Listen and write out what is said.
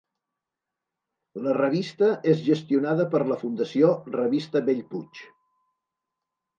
La revista és gestionada per la Fundació Revista Bellpuig.